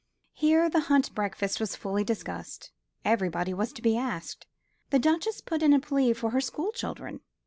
Here the hunt breakfast was fully discussed. Everybody was to be asked. The Duchess put in a plea for her school children.